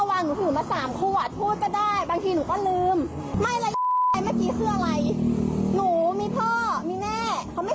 หลังจากโดด่าก็คว้ามือถึงมาอัดแล้วก็ตะโกนถามแบบนี้